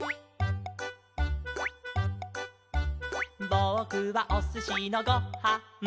「ぼくはおすしのご・は・ん」